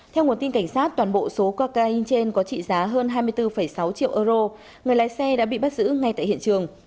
theo nguồn tin cảnh sát toàn bộ số cocaine trên có trị giá hơn hai mươi bốn sáu triệu euro người lái xe đã bị bắt giữ ngay tại hiện trường